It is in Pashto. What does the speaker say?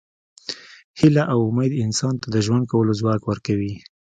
هیله او امید انسان ته د ژوند کولو ځواک ورکوي.